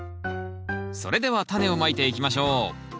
それではタネをまいていきましょう